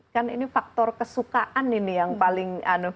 kan ini faktor kesukaan ini yang paling